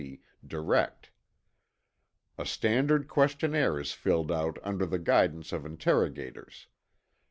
C., direct. A standard questionnaire is filled out under the guidance of interrogators.